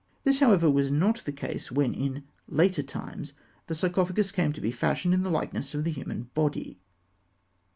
This, however, was not the case when in later times the sarcophagus came to be fashioned in the likeness of the human body.